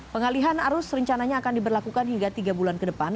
pengalihan arus rencananya akan diberlakukan hingga tiga bulan ke depan